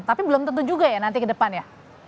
tapi belum tentu juga ya nanti kedepannya